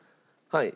はい。